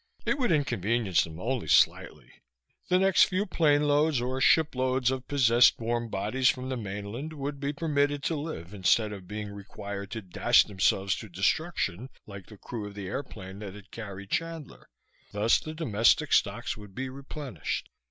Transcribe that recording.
It would inconvenience them only slightly. The next few planeloads or shiploads of possessed warm bodies from the mainland would be permitted to live, instead of being required to dash themselves to destruction, like the crew of the airplane that had carried Chandler. Thus the domestic stocks would be replenished.